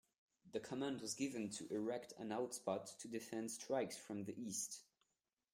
The command was given to erect an outpost to defend strikes from the east.